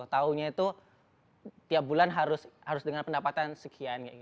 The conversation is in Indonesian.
tahunya itu tiap bulan harus dengan pendapatan sekian